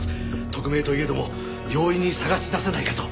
特命といえども容易に探し出せないかと。